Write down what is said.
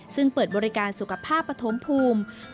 ซึ่งเปิดบริการสุขภาพปฐมภูมิ